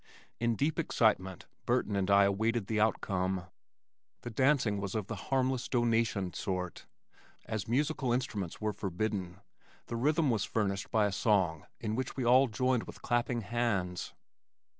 In deep excitement Burton and I awaited the outcome. The dancing was of the harmless "donation" sort. As musical instruments were forbidden, the rhythm was furnished by a song in which we all joined with clapping hands.